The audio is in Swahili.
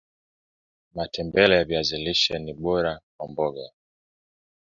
matembele ya viazi lishe ni bora kwa mboga